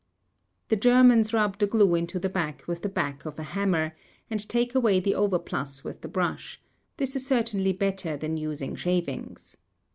The Germans rub the glue into the back with the back of a hammer, and take away the overplus with the brush; this is certainly better than using shavings.